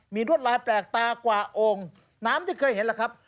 มีรวดลายแปลกตากว่าองค์น้ำที่เคยเห็นล่ะครับ